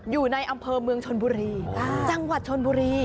อยู่ในอำเภอเมืองชนบุรีจังหวัดชนบุรี